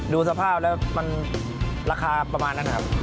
ดูสภาพแล้วมันราคาประมาณนั้นนะครับ